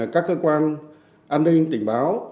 các cơ quan an ninh tình báo